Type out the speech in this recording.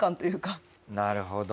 なるほど。